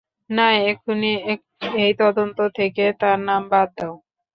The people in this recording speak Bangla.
না, এখুনি এই তদন্ত থেকে তার নাম বাদ দাও।